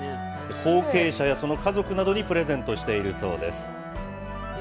後援者やその家族などにプレゼントしているそうです。